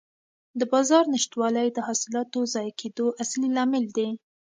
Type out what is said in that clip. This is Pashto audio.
د بازار نشتوالی د حاصلاتو ضایع کېدو اصلي لامل دی.